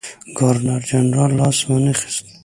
ګورنرجنرال لاس وانه خیست.